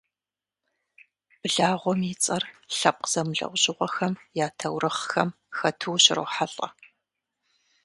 Благъуэм и цӏэр лъэпкъ зэмылӏэужьыгъуэхэм я таурыхъхэм хэту ущырохьэлӏэ.